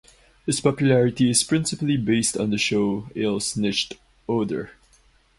His popularity is principally based on the shows Alles nichts oder?!